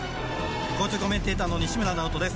交通コメンテーターの西村直人です